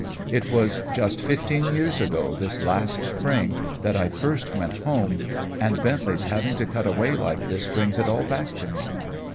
"It was just fifteen years ago this last spring that I first went home, and Bentley's having to cut away like this brings it all back to me.